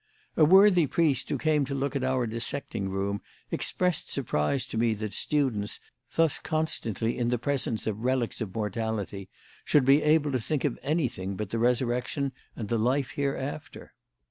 A worthy priest who came to look at our dissecting room expressed surprise to me that students, thus constantly in the presence of relics of mortality, should be able to think of anything but the resurrection and the life hereafter.